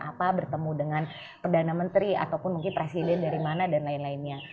apa bertemu dengan perdana menteri ataupun mungkin presiden dari mana dan lain lainnya